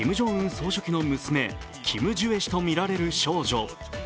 総書記の娘、キム・ジュエ氏とみられる少女。